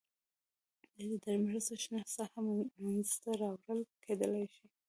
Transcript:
د ادارې په مرسته شنه ساحه منځته راوړل کېدلای شي.